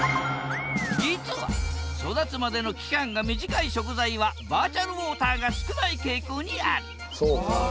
実は育つまでの期間が短い食材はバーチャルウォーターが少ない傾向にあるそうか。